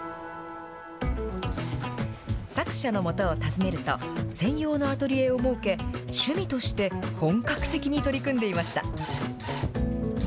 作者のもとを訪ねると、専用のアトリエを設け、趣味として本格的に取り組んでいました。